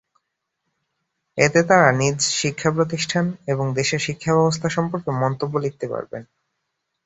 এতে তাঁরা নিজ শিক্ষাপ্রতিষ্ঠান এবং দেশের শিক্ষাব্যবস্থা সর্ম্পকে মন্তব্য লিখতে পারবেন।